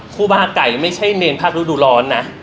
ครูบาไก่ไม่ใช่เนรภาคฤดูร้อนนะ